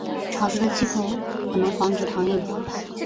潮湿的气候可能防止糖硬化。